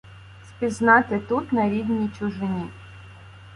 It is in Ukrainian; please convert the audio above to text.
Спізнати тут, на рідній чужині.